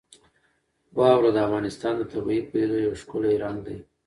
واوره د افغانستان د طبیعي پدیدو یو ښکلی رنګ دی.